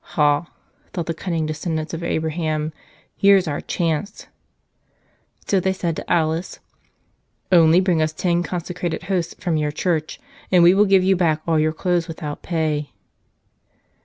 "Ha," thought the cunning descendants of Abraham, "here's our chance !" So they said to Alice, "Only bring us ten consecrated Hosts from your church and we will give you back all your clothes without pay."